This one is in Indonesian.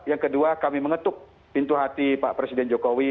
yang kedua kami mengetuk pintu hati pak presiden jokowi